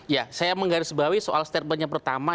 ya saya menggarisbawahi soal statementnya pertama